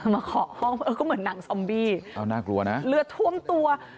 มาเคาะห้องก็เหมือนหนังซอมบี้เลือดท่วมตัว